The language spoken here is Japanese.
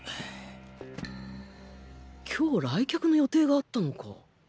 今日来客の予定があったのか